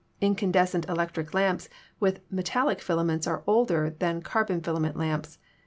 Incandescent electric lamps with metallic filaments are older than carbon fila ment lamps.